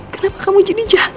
kenapa kamu jadi jahat